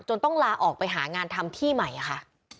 ต้องลาออกไปหางานทำที่ใหม่ค่ะ